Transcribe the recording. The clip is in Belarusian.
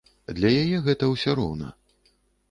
Для яе гэта ўсё роўна.